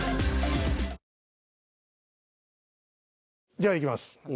じゃあいきます。